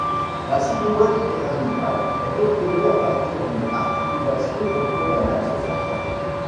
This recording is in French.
La silhouette pyramidale est obtenue à partir d'une articulation autour d'un axe central.